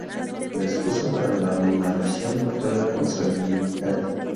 La excusa para la anulación fue la consanguinidad.